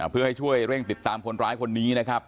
เพื่อให้ช่วยเร่งติดตามคนร้ายคนนี้นะครับ